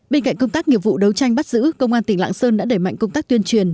bên cạnh công tác nghiệp vụ đấu tranh bắt giữ công an tỉnh lạng sơn đã đẩy mạnh công tác tuyên truyền